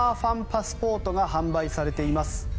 パスポートが販売されています。